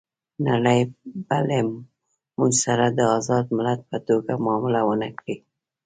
نړۍ به له موږ سره د آزاد ملت په توګه معامله ونه کړي.